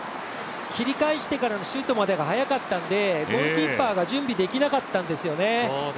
切り返してからのシュートまでが速かったのでゴールキーパーが準備できなかったんですよね。